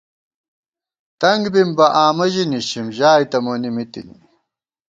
تنگ بِم بہ آمہ ژِی نِشِم، ژائے تہ مونی مِی تِنی